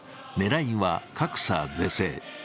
狙いは格差是正。